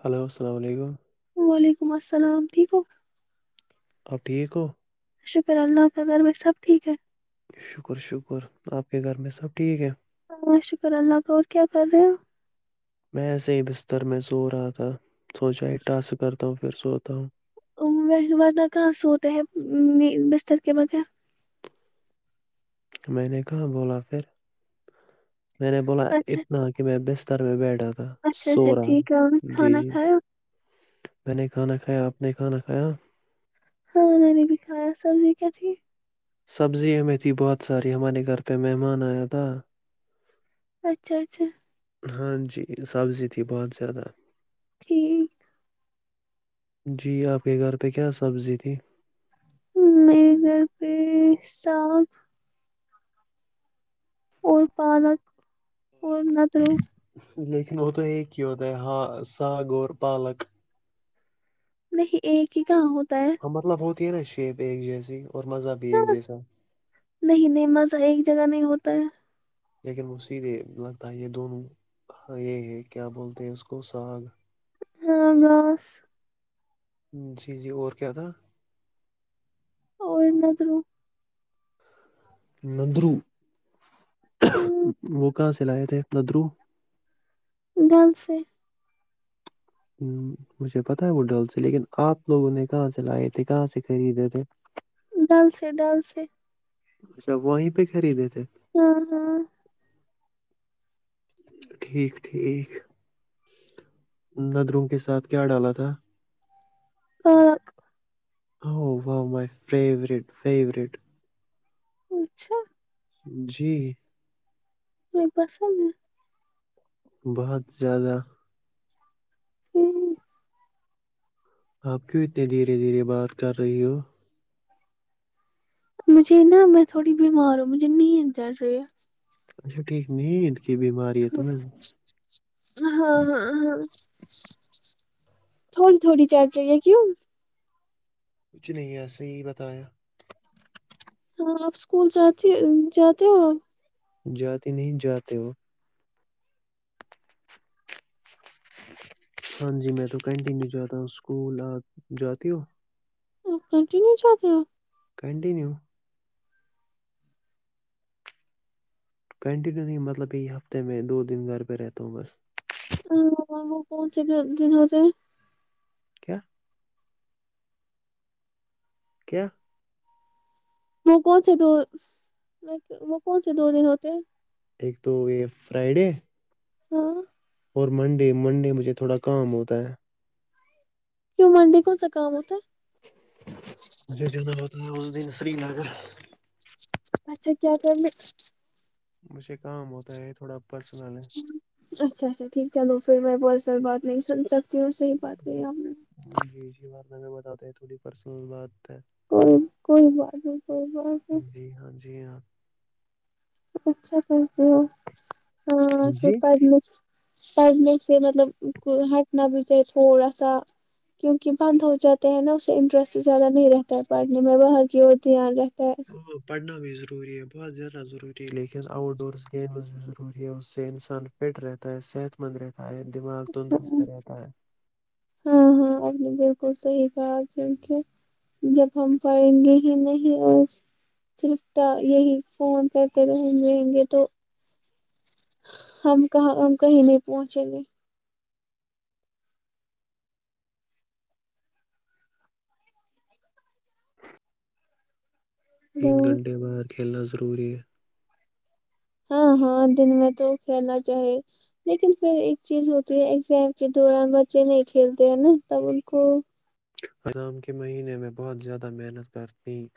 Hello السلام علیکم وعلیکم السلام ٹھیک ہو اب ٹھیک ہو شکر اللہ آ کا گھر بھائی سب ٹھیک ہے شکر شکر آپ کے گھر میں سب ٹھیک ہے ہاں شکر اللہ کا اور کیا کر رہے ہو میں ایسے ہی بستر میں سو رہا تھا سوچا ہی ٹاس کرتا ہوں پھر سوتا ہوں ورہ کہاں سوتے ہے بستر کے بغیر میں نے کہا بولا پھر میں نے بولا اچھا اتنا کہ میں بیسٹ استر میں بیٹھا تھا اچھا سو اچھا رہا تھا ٹھیک ہے اور جی کھانا جی کھاو میں نے کھانا کھایا آپ نے کھانا کھایا ہاں میں نے بھی کھایا سبزی کیا تھی سبزی ہمیں تھی بہت ساری ہمارے گھر پہ مہمان آیا تھا اچھا اچھا ہاں جی سبزی تھی بہت زیادہ ٹھیک جی آپ کے گھر پہ کیا سبزی تھی میرے گھر پہ ساگ اور پالک اور ندرو لیکن وہ تو ایک ہی ہوتا ہے ہساگواور پالک نہیں ایک کی کہا ہو ت مطلب بہت تینا شیپ ایک جیسی اور مزہ بھی ہاں ایک جیسا نہیں نہیں مزہ ایک جگہ نہیں ہوتا ہے لیکن مصید لگتا ہے یہ دونوں یہ ہے کیا بولتے ہیں اس کو ساگ ا گاس [unintelligible] جی جی اور کیا تھا اور ان ندھر نندرو وہ کہاں سے چلائے تھے ندرو ڈل سے ہ مجھے پتا ہے وہ ڈل سے لیکن آپ لوگوں نے کہاں سے لائے تھے کہاں سے خریدے تھے ڈل سے ڈل سے اچھا وہیں پہ خریدے تھے ہ ہاں ٹھیک ٹھیک ندروں کے ساتھ کیا ڈالا تھا آ ہو ہؤ مائی فیورٹ فیورٹ اچھا جی نہیں پسند ہے بہت زیادہ ہ آپ کیوں اتنے دھیرے دھیرے بات کر رہی ہو مجھے نا میں تھوڑی بیمار ہوں مجھے ن ڈر رہی اچھا ٹھیک نیند کی بیماری ہے تمیں ہاں ہاں ہاں تھوڑی تھوڑی چار پ ہے کیوں کچھ نہیں ایسے ہی بتایا ہاں آپ اسکول جات جاتے ہو جاتے نہیں جاتے وہ ہاں جی میں تو کنٹینیو جاتا ہوں اسکول آ جاتی ہو کنٹینیو چاہتے ہیں کنٹیینو کنٹینیو نہیں مطلب یہ ہفتے میں دو دن گھر پہ رہتا ہوں بس ہ وہ کوہنچ دنوں سے [unintelligible] کیا [unintelligible] کیا وہ کون سے دو وہ کون سے دو دن ہوتے ایک تو یہ فرائیڈے ہاں منڈے منڈے مجھے تھوڑا کام ہوتا ہے کیوں منڈی کون سا کام ہوتا ہے مجھے جانا ہوتا ہے اس دن سری نگر اچھا کیا کر میں مجھے کام ہوتا ہے تھوڑا پرسنل ہے اچھا اچھا ٹھیک چلو پھر میں پرسل بات نہیں سن سکتا جوں صحیح بات کر ہم نے بارہ میں بتاتے ہیں تھوڑی پرسنل بات ہے کوئی کوئی بات نہیں کوئی بات ہے جی ہاں جی ہاں [inaudible] اچھا کرتے ہو ہاں جی پڑھنے سے پڑھنے سے مطلب ہیکنا بجے تھوڑا سا کیونکہ پندو جاتے ہیں نا اس سے انٹرسٹ زیادہ نہیں رہتا ہے پڑھنے میں باقی دھیان رتا ا پڑھنا بھی ضروری ہے بہت زیادہ ضروری ہے لیکن آؤٹ ڈورس گیمز بھی ضروری ہے اس سے انسان فٹ رہتا ہے صحت مند رہتا ہے سارے دماغ تندرست رہتا ہے [unintelligible] ہاں ہاں آپ نے بالکل صحیح کہا کیونک جب ہم پڑھیں گے ہی نہیں اور صرف یہی فون کر کے رہ رہیں گے تو ہم کہاں ہم کہیں نہیں پہنچیں گے تین ہلو گھنٹے بعد کھیلنا ضروری ہے ہاں ہاں دن میں تو کھیلنا چاہی لیکن پھر ایک چیز ہوتی ہے ایگزام کے دوران بچے نہیں کھیلتے ہیں نا تب ان کو آام کے مہینے میں بہت زیادہ محنت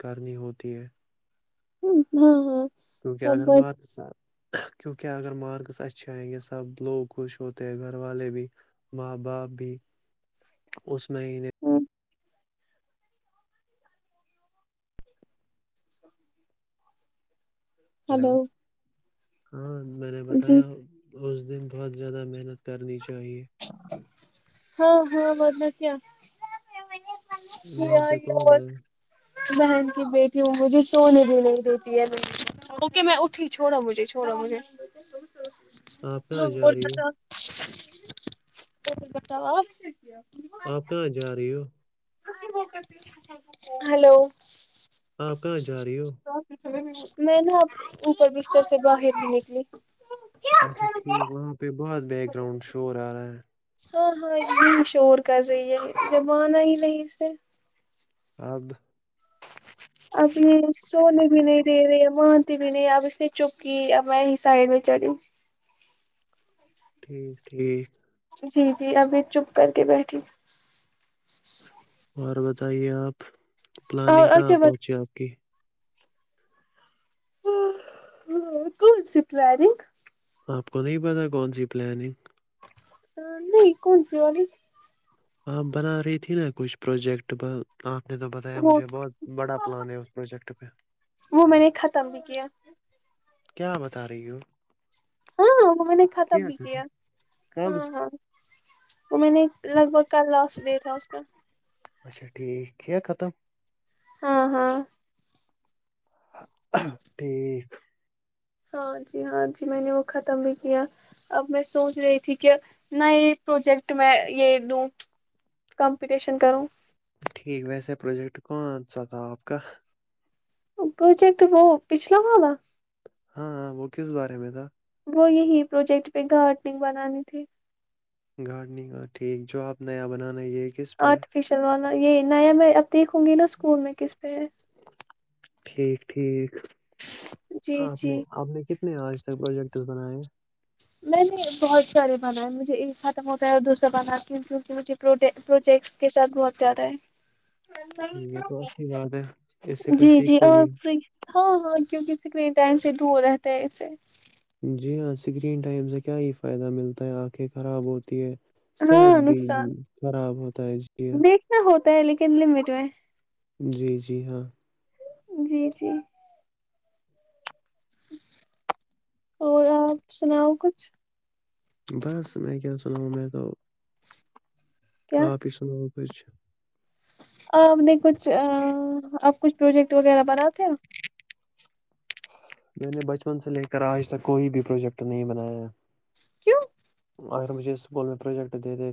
کرنی ہوتی ہے ہاں ہاں کیونکہ اگر تب مار کے ساب کیونکہ اگر مارکس اچھے آئیں گے سب لوگ خوش ہوتے ہیں گھر والے بھی ماں باپ بھی اس مہینے ہلو ہاں میں نے جی بتایا اس دن بہت زیادہ محنت کرنی چاہی ہاں ہاں م کیا وہاں پہ کون اور ہے بہن بیٹی ہ مجھے سونے بھی نہیں دیتی ہے اوکے میں اٹھی چھوڑا مجھے چھوڑا مجھے آپ کہاں ہاں جا رہی ہو بتا تھا پ بتا وا کیا آپ کہاں جا رہی ہو ہلو آپ کہاں جا رہی ہو میں نا اب اوپر بستر سے باہر بھی نکلی اچھا ٹھیک وہاں پہ بہت بیک گراؤنڈ شور آ رہا ہے ہاں ہاں ا شور کر رہی ہے زبانہ ہی نہیں اس سے ہب [unintelligible] اب نے اب اس نے چپ کی اب میں ہی سائڈ میں چلی ٹھیک ٹھیک جی جی ابھی چپ کر کے بیٹھی اور بتائیے آپ پلاننگ اور کہاں اچھا بات پہنچی آپ کی ہ کوم س پلیرنگ آپ کو نہیں پتا کون سی پلاننگ ا نہیں کون سی والی آپ بنا رہی تھی نا کچھ پروجیکٹ ب آ میں تو بتایا وہ مجھے بہت بڑا پلان ہے اس پروجیکٹ پہ وہ میں نے ختم بھی کیا کیا بتا رہی ہو؟ ہاں وہ میں نے ختم بھی کیا کب ہاں ہاں وہ میں نے لگ بھگ کا لاسٹ ڈے تھا اس کا اچھا ٹھیک کیا ختم ہاں ہاں ٹھیک ہاں جی ہاں جی میں نے وہ ختم بھی کیا اب میں سوچ رہی تھی کہ نئے پروجیکٹ میں یہ دوں کمپٹیشن کروں ٹھیک ویسے پروجیکٹ کون سا تھا آپ کا پروجیکٹ وہ پچھلا والا ہاں ہاں وہ کس بارے میں تھا وہ یہی پروجیکٹ پہ گارٹنگ بنانی تھی گارڈننگ کا ٹھیک جو آپ نیا بنانا یہ کس پہ ہے آرٹیفشل وال یہ نیا میں دیکھوں گی نا اسکول میں کس پہ ہے ٹھیک ٹھیک جی آپ نے جی آپ نے کتنے آج پروجیکٹس بنائے ہیں میں نے بہت سارے بنائے مجھے ایک ختم ہوتا ہے اور دوسرا بناتی ہوں کیونکہ مجھے پروجیکٹس کے ساتھ بہت زیادہ ہے ٹھیک ہے تو اچھی بات ہے اس سے کچھ جی جی سیکھتے اور بھی فری ہاں ہاں کیونکہ سکرین ٹائم سے دور رہتا ہے اسے جی ہاں اسکرین ٹائم سے کیا یہ فائدہ ملتا ہے آنکھیں خراب ہوتی ہاں صحت بھی نقصان خراب ہوتا ہے جی ت لے کہ ل بییٹ میں جی جی ہاں جی جی اور آپ سناؤ کچھ بس میں کیا سنا ہوں میں تو کیا آپ ہی سناؤ خچھ پ نے کچھ کچھ پروجیکٹ وغیرہ بناتے میں نے بچپن سے لے کر آج تک کوئی بھی پروجیکٹ نہیں بنایا کیوں اگر مجھے اسکول میں پروجیکٹ دتے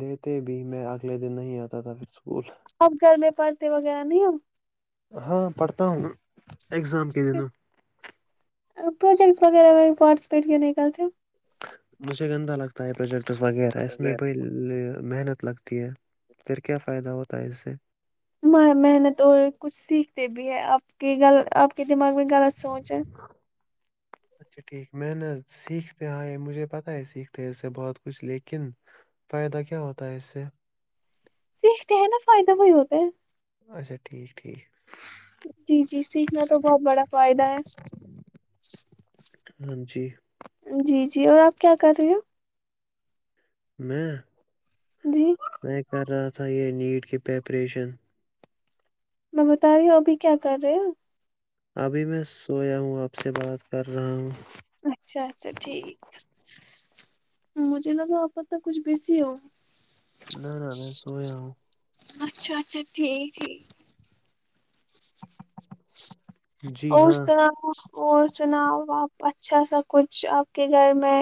دیتے بھی میں اگلے دن نہیں آتا تھا پھر اسکول اب گھر میں پرتے وغیرہ نہیں ہم ہاں پڑھتا ہوں میں اگزام کے دنوں پروجیکٹ وغیرہ پارٹیسپٹ کیا نہیں کرتے مجھے گندا لگتا ہے پرجل وغیرہ میں ب محنت لگتی ہے پھر کیا فائدہ ہوتا ہے اس سے محنت اور کچھ سیکھتے بھی ہیں آپ کی غل آپ کے دماغ میں غلط سوچ [inaudible] اچھا ٹھیک میں نےت سیکھتے آ مجھے پتاہ ہے سیکھتے ہیں اس سے بہت کچھ لیکن فائدہ کیا ہوتا ہے اس سے سیکھتے ہیں نا فائدہ وہی ہوتا ہے اچھا ٹھیک ٹھیک جی جی سیکھنا تو بہت بڑا فائدہ ہے ہاں جی جی جی اور آپ کیا کر رہے ہو میں جی میں کر رہا تھا یہ نیٹ کی پریپریشن میں بتا رہی ہوں ابھی کیا کر رہے ہو ابھی میں سویا ہوں آپ سے بات کر رہا ہوں اچھا اچھا ٹھیک مجھے نہ تو آپس تک کچھ بزی ہو نہ نہ میں سویا ہوں اچھا اچھا ٹھیک ہی جی اور ہاں س اور سناؤ آپ اچھا سا کچھ آپ کے گھر میں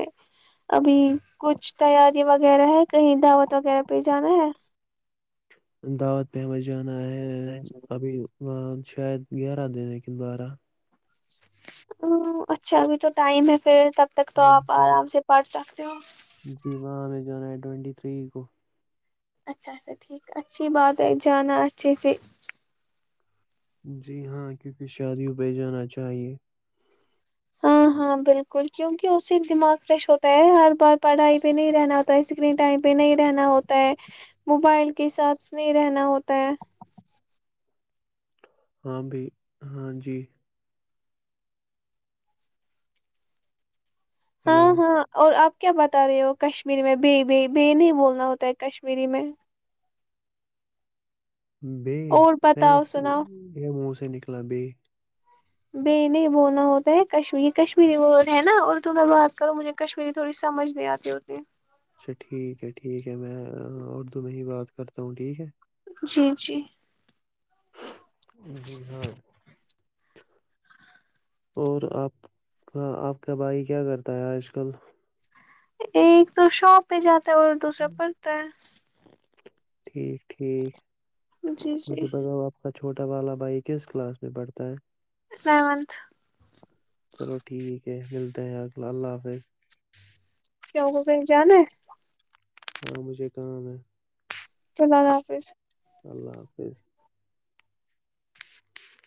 ابھی کچھ تیاری وغیرہ ہے کہیں دعوت وغیرہ پہ جانا ہے دعوت پہمہ جان ہے ابھی وہاں شاید گیارہ دن ہے کن بارہ ا اچھا ابھی تو ٹائم ہے پھر تب تک تو ہم آپ کو آرام سے پڑ سکتے تو جی وہاں ہمیں جانا ہے ٹونٹی تھری کو اچھا اچھا ٹھیک اچھی بات ہے جانا اچھے سے جی ہاں کیونکہ شادیوں پہ جانا چاہیئے ہاں ہاں بالکل کیونکہ اس سے دماغ فریش ہوتا ہے ہر بار پڑھائی پہ نہیں رہنا ہوتا ہے اسکرین ٹائم پہ نہیں رہنا ہوتا ہے موبائل کے ساتھ نہیں رہنا ہوتا ہے ہاں ب ہاں جی ہلو ہاں ہاں اور آپ کیا بتا رہے ہو کشمیری میں ب ب ب نہیں بولنا ہوتا ہے کشمیری میں بے اور میں بتاؤ سناؤ یہ منہ سے نکلا بے ب نہیں بولنا ہوتا ہے کشمیری کشمیری ورڈ ہے نا اور ت بات کروں مجھے کشمیری تھوڑی سمجھ نہیں آتی ہوتی اچھا ٹھیک ہے ٹھیک ہے میں اردو میں ہی بات کرتا ہوں ٹھیک ہے جی جی جی ہاں اور آپ کا آپ کا بھائی کیا کرتا ہے آج کل ایک تو س پ جات دوسرا پڑتا ہے ٹھیک ٹھیک جی جی مجھے بتاؤ آپ کا چھوٹا والا بھائی کس کلاس میں پڑھتا ہے سونتھ چلو ٹھیک ہے ملتے ہیں اگلہ اللہ حافظ کیوں کو کہیں جانا ہے ہاں مجھے کام ہے چلو اللہ حافظ اللہ حافظ